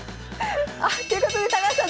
あっということで高橋さん残念！